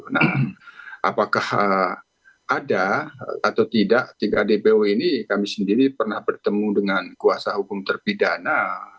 nah apakah ada atau tidak tiga dpo ini kami sendiri pernah bertemu dengan kuasa hukum terpidana